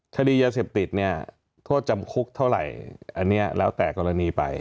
คดียาเสพติดเนี่ยโทษจำคุกเท่าไหร่อันนี้แล้วแต่กรณีไป